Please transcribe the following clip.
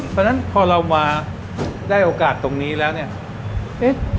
เพราะฉะนั้นพอเรามาได้โอกาสตรงนี้แล้วเนี่ย